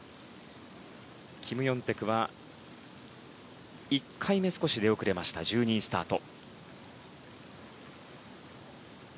キム・ヨンテクは１回目少し出遅れて１２位スタート。